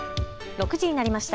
６時になりました。